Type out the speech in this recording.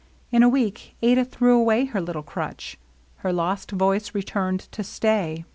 In a week Adah threw away her little crutch. Her lost voice returned, to stay.